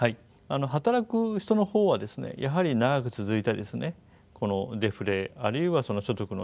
働く人の方はですねやはり長く続いたこのデフレあるいは所得の低下